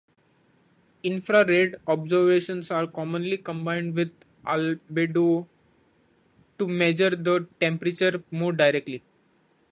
Infra-red observations are commonly combined with albedo to measure the temperature more directly.